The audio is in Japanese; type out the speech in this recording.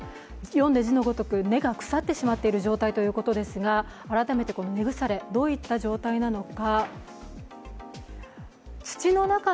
読んで字のごとく、根が腐ってしまっている状態のことですが、改めて根腐れ、どういった状態なのか。